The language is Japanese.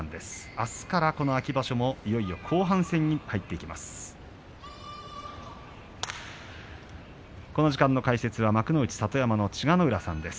あすからこの秋場所も後半戦に入っていきます。